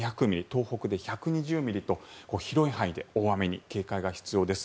東北で１２０ミリと広い範囲で大雨に警戒が必要です。